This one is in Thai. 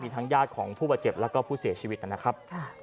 ทั้งญาติของผู้บาดเจ็บแล้วก็ผู้เสียชีวิตนะครับ